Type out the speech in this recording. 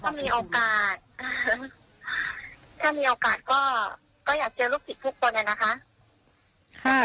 ถ้ามีโอกาสถ้ามีโอกาสก็อยากเจอลูกศิษย์ทุกคนนะคะ